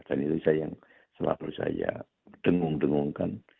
dan itu saya yang selalu saya dengung dengungkan